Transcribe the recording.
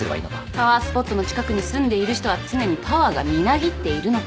パワースポットの近くに住んでいる人は常にパワーがみなぎっているのか。